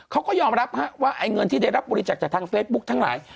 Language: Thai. เขาก็ยอมรับว่าไอ้เงินที่ได้รับบริจักษ์จากทางเฟซบุ๊คทั้งหลาย